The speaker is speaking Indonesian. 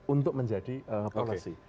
untuk menjadi polisi